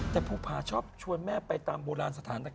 แต่ภูผาชอบชวนแม่ไปตามโบราณสถานต่าง